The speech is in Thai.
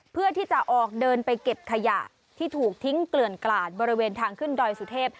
เพื่อที่จะออกเดินไปเก็บขยะที่ถูกทิ้งเกลื่อนกลาดบริเวณทางขึ้นดอยสุเทพ